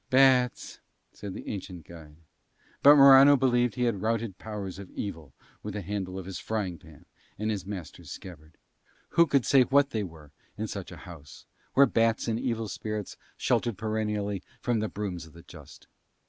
"Bats," said the ancient guide. But Morano believed he had routed powers of evil with the handle of his frying pan and his master's scabbard. Who could say what they were in such a house, where bats and evil spirits sheltered perennially from the brooms of the just?